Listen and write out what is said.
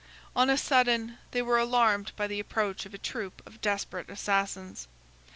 On a sudden, they were alarmed by the approach of a troop of desperate assassins.